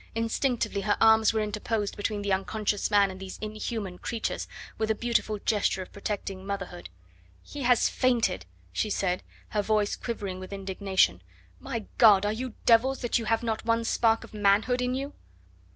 Instinctively her arms were interposed between the unconscious man and these inhuman creatures, with a beautiful gesture of protecting motherhood. "He has fainted," she said, her voice quivering with indignation. "My God! are you devils that you have not one spark of manhood in you?"